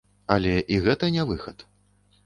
Але і гэта не выхад.